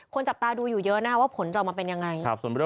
จับตาดูอยู่เยอะนะครับว่าผลจะออกมาเป็นยังไง